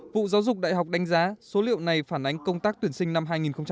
vụ giáo dục đại học đánh giá số liệu này phản ánh công tác tuyển sinh năm hai nghìn hai mươi